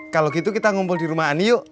kalau gitu kita ngumpul di rumah ani yuk